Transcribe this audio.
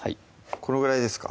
このぐらいですか？